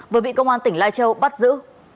vừa bị công an tỉnh lai châu bắt giữ